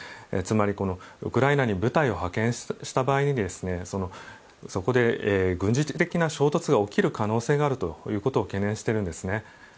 つまり、ウクライナに部隊を派遣した場合にそこで軍事的な衝突が起きる可能性があると懸念しているんですね。